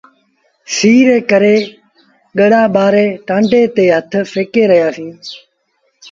سيٚ ري ڪري ڳڙآ ٻآري ٽآنڊي تي هٿ سيڪي رهيآ هُݩدآ۔